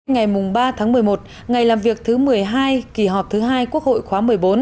ngày ba tháng một mươi một ngày làm việc thứ một mươi hai kỳ họp thứ hai quốc hội khóa một mươi bốn